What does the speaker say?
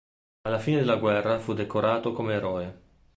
Alla fine della guerra fu decorato come eroe.